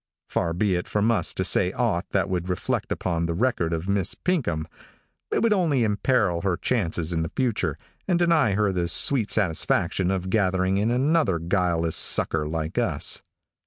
Far be it from us to say aught that would reflect upon the record of Miss Pinkham. It would only imperil her chances in the future, and deny her the sweet satisfaction of gathering in another guileless sucker like us.